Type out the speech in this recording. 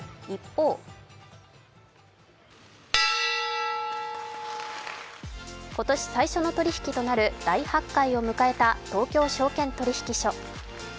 一方今年、最初の取引となる大発会を迎えた東京証券取引所。